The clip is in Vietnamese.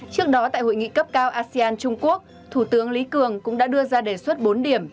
trước đó tại hội nghị cấp cao asean trung quốc thủ tướng lý cường cũng đã đưa ra đề xuất bốn điểm